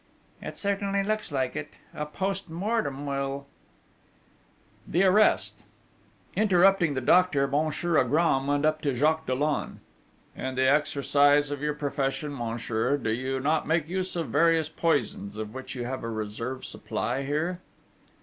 'It certainly looks like it.... A post mortem will ...' The Arrest Interrupting the doctor, Monsieur Agram went up to Jacques Dollon: 'In the exercise of your profession, monsieur, do you not make use of various poisons, of which you have a reserve supply here?'